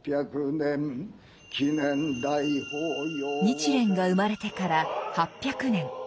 日蓮が生まれてから８００年。